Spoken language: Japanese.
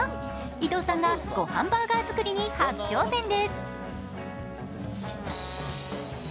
伊藤さんがごはんバーガー作りに初挑戦です。